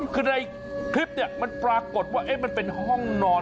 คือในคลิปมันปรากฏว่ามันเป็นห้องนอน